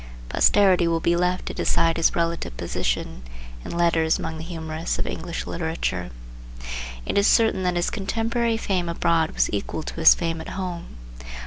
Posterity will be left to decide his relative position, in letters among the humorists of English literature. It is certain that his contemporary fame abroad was equal to his fame at home.